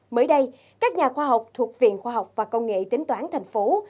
mới đây các nhà khoa học thuộc viện khoa học và công nghệ tính toán thành phố